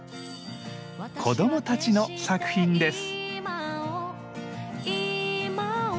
子どもたちの作品です。